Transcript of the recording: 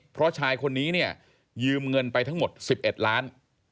เพราะชายคนนี้เนี่ยยืมเงินไปทั้งหมด๑๑ล้าน